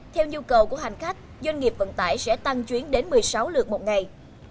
theo nhu cầu của hành khách doanh nghiệp vận tải sẽ tăng chuyến đến một mươi sáu lượt một ngày